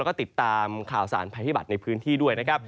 แล้วก็ติดตามข่าวสารภัยพิบัตรในพื้นที่ด้วยนะครับ